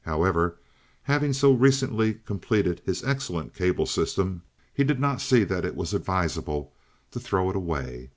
However, having but so recently completed his excellent cable system, he did not see that it was advisable to throw it away.